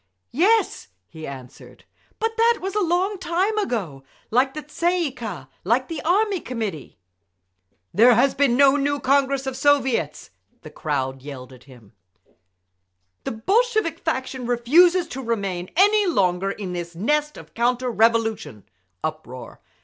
"Yes," he answered, "but that was a long time ago—like the Tsay ee kah—like the Army Committee." "There has been no new Congress of Soviets!" they yelled at him. "The Bolshevik faction refuses to remain any longer in this nest of counter revolution—" Uproar.